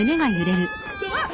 あっ！